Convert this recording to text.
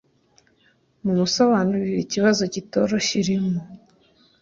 mumusobanurire ikibazo kitoroshye urimo